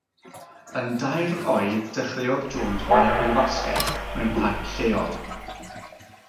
Yn dair oed, dechreuodd Jones chwarae pêl-fasged mewn parc lleol.